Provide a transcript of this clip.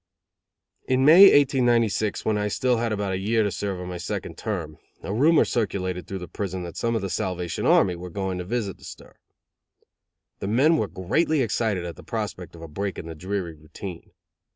In May, 1896, when I still had about a year to serve on my second term, a rumor circulated through the prison that some of the Salvation Army were going to visit the stir. The men were greatly excited at the prospect of a break in the dreary routine.